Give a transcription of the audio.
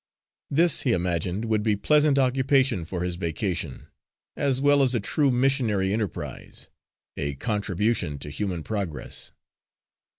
This, he imagined, would be pleasant occupation for his vacation, as well as a true missionary enterprise a contribution to human progress.